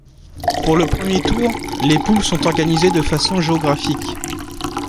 Pour le premier tour, les poules sont organisées de façon géographique.